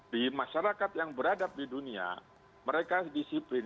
di masyarakat yang beradab di dunia mereka disiplin